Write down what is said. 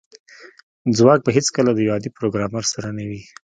ځواک به هیڅکله د یو عادي پروګرامر سره نه وي